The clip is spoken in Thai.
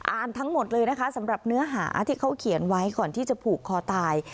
อ่านทั้งหมดเลยนะคะสำหรับเนื้อหาที่เขาเขียนไว้ก่อนที่จะผูกคอตาย